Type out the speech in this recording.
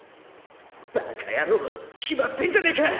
バカヤロウ決まってんじゃねえか！